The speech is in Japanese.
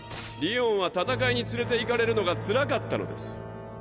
りおんは戦いに連れていかれるのがつらかったのです！